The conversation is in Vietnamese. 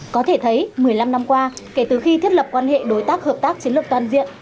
có thể thấy một mươi năm năm qua kể từ khi thiết lập quan hệ đối tác hợp tác chiến lược toàn diện